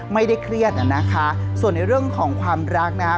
ไม่ได้เครียดนะคะส่วนในเรื่องของความรักนะคะ